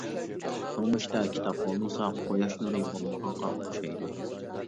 تۇرمۇشتا كىتاب بولمىسا قۇياش نۇرى بولمىغانغا ئوخشايدۇ.